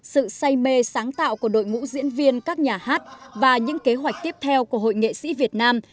sự say mê sáng tạo của đội ngũ diễn viên các nhà hát và những kế hoạch tiếp theo của hội nghệ sĩ việt nam